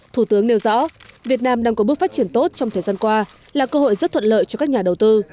thủ tướng nêu rõ việt nam đang có bước phát triển tốt trong thời gian qua là cơ hội rất thuận lợi cho các nhà đầu tư